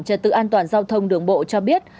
trật tự an toàn giao thông đường bộ cho biết